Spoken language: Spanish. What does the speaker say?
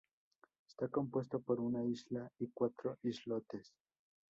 Está compuesto por una isla y cuatro islotes.